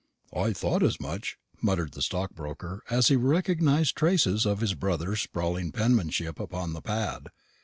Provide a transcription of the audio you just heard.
"I thought as much," muttered the stockbroker, as he recognised traces of his brother's sprawling penmanship upon the pad.